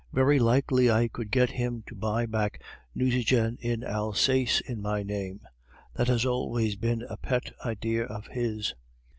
Very likely I could get him to buy back Nucingen in Alsace in my name; that has always been a pet idea of his.